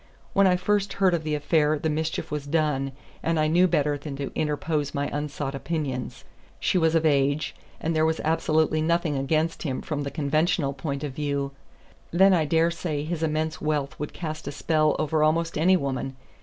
When I first heard of the affair the mischief was done, and I knew better than to interpose my unsought opinions. She was of age, and there was absolutely nothing against him from the conventional point of view. Then I dare say his immense wealth would cast a spell over almost any woman.